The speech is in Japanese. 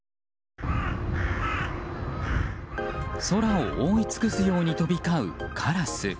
空を覆い尽くすように飛び交うカラス。